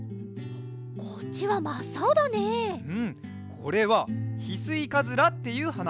これはヒスイカズラっていうはな。